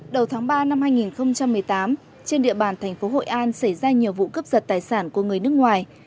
đầu tháng ba năm hai nghìn một mươi tám trên địa bàn thành phố hội an xảy ra nhiều vụ cướp giật tài sản của người nước ngoài